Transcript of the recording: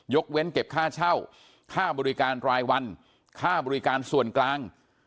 เว้นเก็บค่าเช่าค่าบริการรายวันค่าบริการส่วนกลาง